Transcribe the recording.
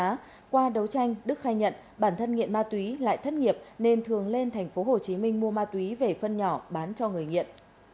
trong cuộc tranh đức khai nhận bản thân nghiện ma túy lại thất nghiệp nên thường lên thành phố hồ chí minh mua ma túy về phân nhỏ bán cho người nghiện